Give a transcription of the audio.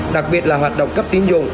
đặc biệt là hoạt động cấp tín dụng